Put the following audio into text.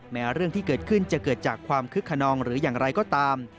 เรื่องที่เกิดขึ้นจะเกิดจากความคึกขนองหรืออย่างไรก็ตาม